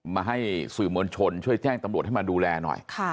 มาให้สื่อมวลชนช่วยแจ้งตำรวจให้มาดูแลหน่อย